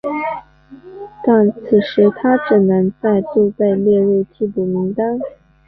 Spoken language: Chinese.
但此时他只能再度被列入替补名单。